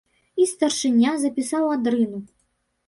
І старшыня запісаў адрыну.